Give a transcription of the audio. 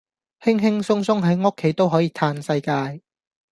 輕輕鬆鬆喺屋企都可以嘆世界